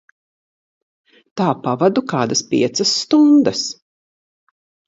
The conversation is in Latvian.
Tā pavadu kādas piecas stundas.